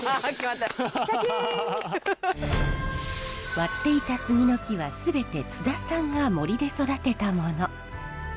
割っていた杉の木は全て津田さんが森で育てたもの。